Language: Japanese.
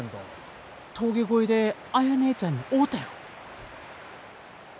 峠越えで綾ねえちゃんに会うたよ。